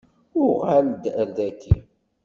Uɣal-d ar daki.